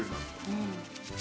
うん。